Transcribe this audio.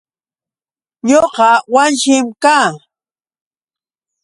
Ñuqa Wanshim kaa.